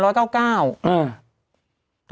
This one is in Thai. เหมือนคือว่า๙๙กมเออ